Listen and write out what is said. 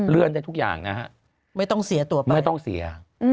ได้ทุกอย่างนะฮะไม่ต้องเสียตัวมากไม่ต้องเสีย